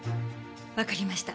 わかりました。